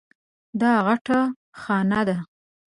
دا غټه خانه ده.